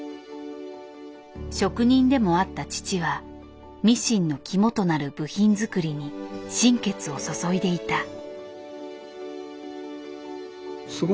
職人でもあった父はミシンの肝となる部品作りに心血を注いでいた。